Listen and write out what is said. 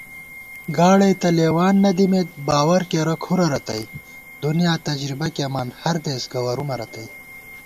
گاڑَئی تہ لېوان نہ دِمېت باوَرکېرہ کُھرَہ رتئ * دُنیا تجربہ کېئیمان ہردېس گوَرُومہ رتئ